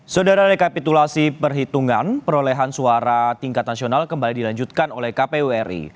saudara rekapitulasi perhitungan perolehan suara tingkat nasional kembali dilanjutkan oleh kpu ri